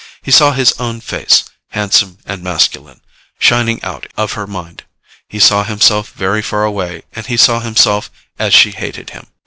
He saw his own face, handsome and masculine, shining out of her mind. He saw himself very far away and he saw himself as she hated him.